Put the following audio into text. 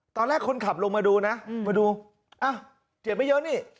ตอนแรกคนขับลงมาดูนะมาดูอ้าวเจ็บไม่เยอะนี่